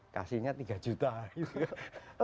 kasihnya tiga juta gitu